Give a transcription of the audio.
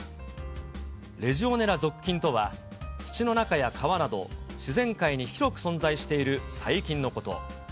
レジオネラ属菌とは、土の中や川など、自然界に広く存在している細菌のこと。